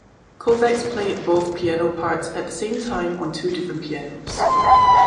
Kovacs played both piano parts at the same time on two different pianos.